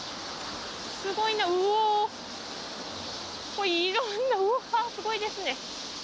すごいな、うおー、いろんな、うわー、すごいですね。